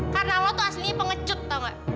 karena lo tuh aslinya pengecut tau gak